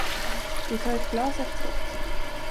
Vi tar ett glas efteråt.